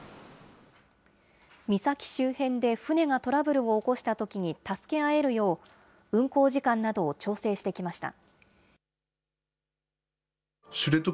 岬周辺で船がトラブルを起こしたときに、助け合えるよう、運航時間などを調整してきました。